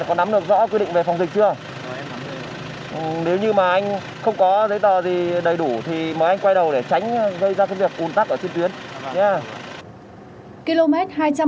nếu như mà anh không có giấy tờ gì đầy đủ thì mời anh quay đầu để tránh gây ra cái việc un tắc ở trên tuyến